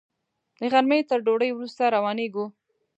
د غرمې تر ډوډۍ وروسته روانېږو.